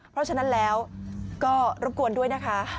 เพราะฉะนั้นแล้วก็รบกวนด้วยนะคะ